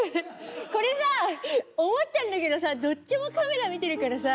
これさあ思ったんだけどさどっちもカメラ見てるからさ。